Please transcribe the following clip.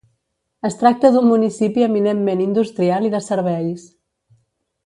Es tracta d'un municipi eminentment industrial i de serveis.